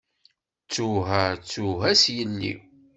Ttuha, ttuha s yelli.